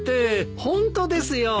ホントですよ。